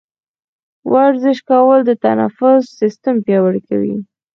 ورزش کول د تنفس سیستم پیاوړی کوي.